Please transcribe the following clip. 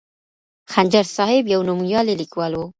خنجر صاحب یو نومیالی لیکوال و.